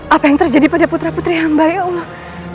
apa yang terjadi pada putra putri hamba ya allah